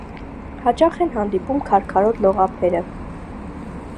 Հաճախ են հանդիպում քարքարոտ լողափերը։